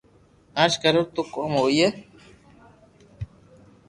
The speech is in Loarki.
اج ڪرو تو ڪوم ھوئي